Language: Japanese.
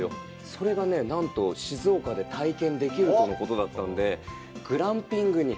それがね、なんと、静岡で体験できるとのことだったんで、グランピングに。